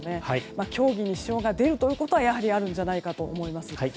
競技に支障が出るということはあるんじゃないかと思います。